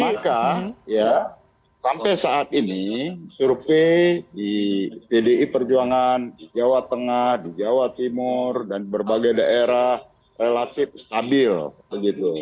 maka ya sampai saat ini survei di pdi perjuangan di jawa tengah di jawa timur dan berbagai daerah relatif stabil begitu